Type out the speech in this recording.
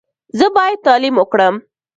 زه باید تعلیم وکړم.